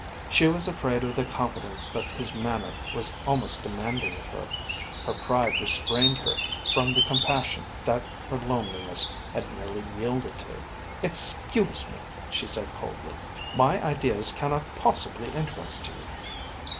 She was afraid of the confidence that his manner was almost demanding of her. Her pride restrained her from the compassion that her loneliness had nearly yielded to. "Excuse me," she said coldly, "my ideas cannot possibly interest you."